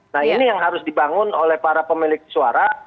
nah ini yang harus dibangun oleh para pemilik suara